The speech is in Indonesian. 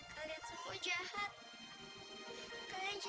kalian jahat terigu